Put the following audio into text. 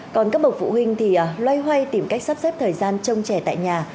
còn các bậc phụ huynh thì loay hoay tìm cách sắp xếp thời gian trông trẻ tại nhà